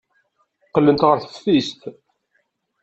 Qqlent ɣer teftist.